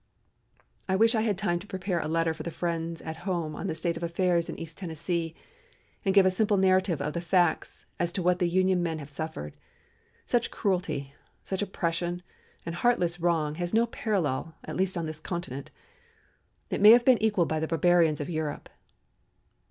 "I wish I had time to prepare a letter for the friends at home on the state of affairs in East Tennessee, and give a simple narrative of facts as to what the Union men have suffered. Such cruelty, such oppression, and heartless wrong has no parallel at least on this continent. It may have been equaled by the barbarians of Europe.